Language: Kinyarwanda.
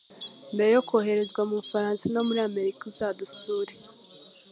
mbere yo koherezwa mu Bufaransa no muri Amerikauzadusure